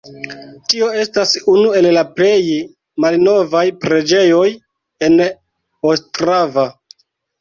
Tio estas unu el la plej malnovaj preĝejoj en Ostrava.